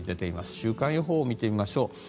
週間予報を見てみましょう。